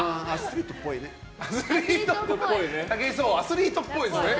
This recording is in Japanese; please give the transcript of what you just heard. アスリートっぽいね。